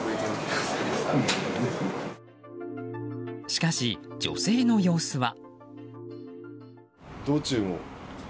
しかし、女性の様子は。